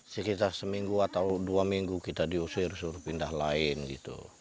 sekitar seminggu atau dua minggu kita diusir suruh pindah lain gitu